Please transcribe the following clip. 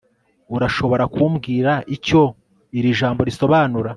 urashobora kumbwira icyo iri jambo risobanura